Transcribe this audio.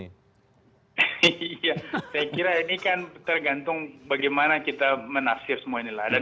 iya saya kira ini kan tergantung bagaimana kita menafsir semua inilah